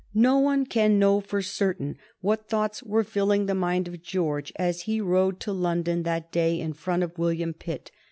No one can know for certain what thoughts were filling the mind of George as he rode to London that day in front of William Pitt.